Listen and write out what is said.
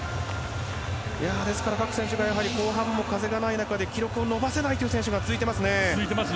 ですから各選手後半も風がない中で記録を伸ばせないという選手が続いていますね。